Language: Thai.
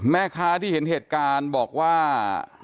แม่ค้าที่เห็นเหตุการณ์บอกว่า